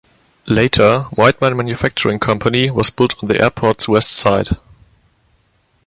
Later Whiteman Manufacturing Company was built on the airport's west side.